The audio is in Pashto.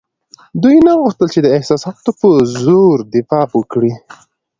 دوی نه غوښتل چې د احساساتو په زور دفاع وکړي.